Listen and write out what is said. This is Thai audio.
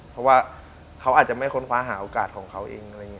เพราะว่าเขาอาจจะไม่ค้นคว้าถามโอกาสของเขาเอง